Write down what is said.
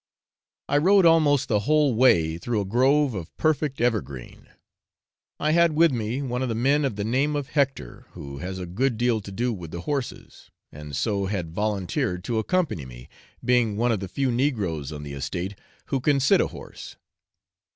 I rode almost the whole way through a grove of perfect evergreen. I had with me one of the men of the name of Hector, who has a good deal to do with the horses, and so had volunteered to accompany me, being one of the few negroes on the estate who can sit a horse.